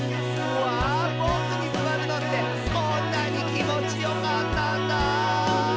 「うわボクにすわるのってこんなにきもちよかったんだ」